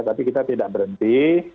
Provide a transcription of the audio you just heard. tapi kita tidak berhenti